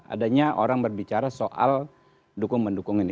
adanya orang berbicara soal dukung mendukung ini